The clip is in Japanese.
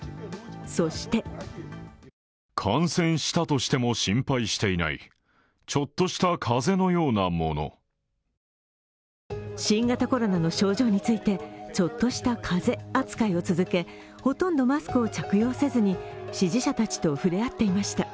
そして新型コロナの症状について、ちょっとした風邪扱いを続け、ほとんどマスクを着用せずに支持者たちと触れ合っていました。